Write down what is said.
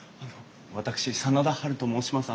私真田ハルと申します。